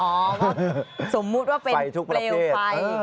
อ๋อว่าสมมุติว่าเป็นเปลวไฟ